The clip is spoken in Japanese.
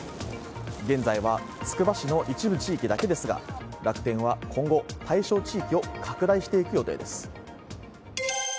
現在はつくば市の一部地域だけですが楽天は今後、対象地域を拡大していく予定です。